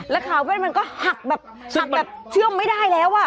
แล้วขาแว่นมันก็หักแบบหักแบบเชื่อมไม่ได้แล้ว